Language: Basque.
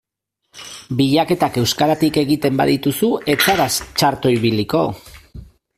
Bilaketak euskaratik egiten badituzu ez zara txarto ibiliko.